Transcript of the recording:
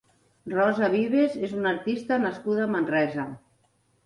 Rosa Vives és una artista nascuda a Manresa.